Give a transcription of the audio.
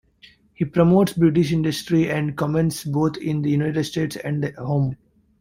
He promotes British industry and commerce both in the United States and at home.